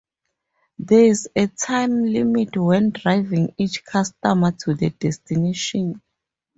There is a time limit when driving each customer to the destination.